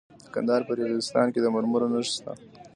د کندهار په ریګستان کې د مرمرو نښې شته.